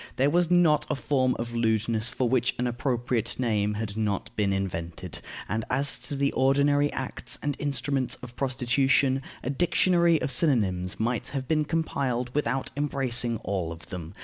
There was not a form of lewdness for which an appropriate name had not been invented; and as to the ordinary acts and instruments of prostitution, a dictionary of synonyms might have been compiled without embracing all of them.